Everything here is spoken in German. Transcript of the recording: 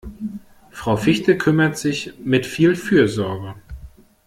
Frau Fichte kümmert sich mit viel Fürsorge.